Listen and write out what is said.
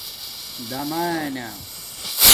دَمانہ